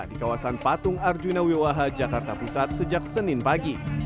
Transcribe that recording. di kawasan patung arjuna wewaha jakarta pusat sejak senin pagi